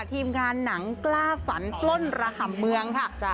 ทีมงานหนังกล้าฝันปล้นระห่ำเมืองค่ะ